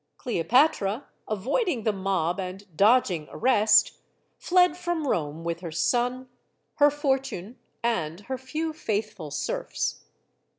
Cleopatra, avoiding the mob and doging arrest, fled from Rome with her son, her fortune, and her few faithful serfs.